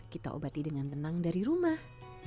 kita obati dengan tenang dari rumah